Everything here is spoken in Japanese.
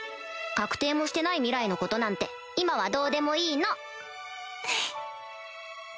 確定もしてない未来のことなんて今はどうでもいいの！